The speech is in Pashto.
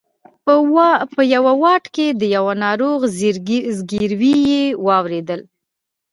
په یوه واټ کې د یوه ناروغ زګېروی یې واورېدل.